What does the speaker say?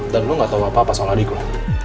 dan lu gak tau apa apa soal adik lu